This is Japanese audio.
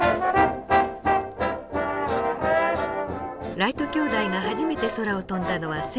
ライト兄弟が初めて空を飛んだのは１９０３年。